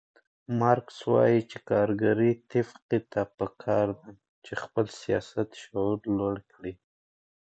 مارکس وایي چې کارګرې طبقې ته پکار ده چې خپل سیاسي شعور لوړ کړي.